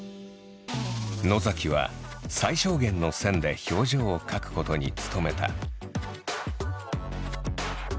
野崎は最小限の線で表情を描くことに努めた。